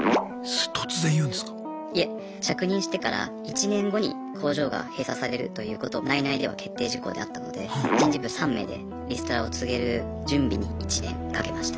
着任してから１年後に工場が閉鎖されるということを内々では決定事項であったので人事部３名でリストラを告げる準備に１年かけました。